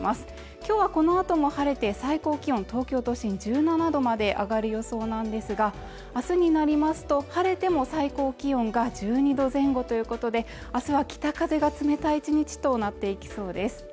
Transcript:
今日はこのあとも晴れて最高気温東京都心１７度まで上がる予想なんですが明日になりますと晴れても最高気温が１２度前後ということで明日は北風が冷たい１日となっていきそうです